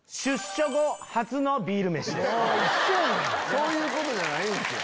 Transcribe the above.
そういうことじゃないんすよ。